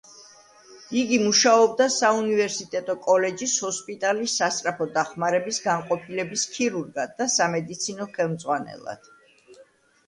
იგი მუშაობდა საუნივერსიტეტო კოლეჯის ჰოსპიტალის სასწრაფო დახმარების განყოფილების ქირურგად და სამედიცინო ხელმძღვანელად.